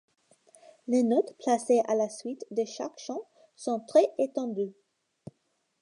Les notes placées à la suite de chaque chant sont très étendues.